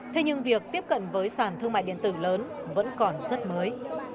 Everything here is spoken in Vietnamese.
thế nhưng việc tiếp cận với sàn thương mại điện tử lớn vẫn còn rất mới